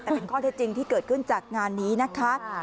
แต่เป็นข้อเท็จจริงที่เกิดขึ้นจากงานนี้นะคะ